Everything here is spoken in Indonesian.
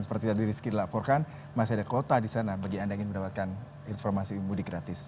seperti tadi rizky dilaporkan masih ada kuota di sana bagi anda yang ingin mendapatkan informasi mudik gratis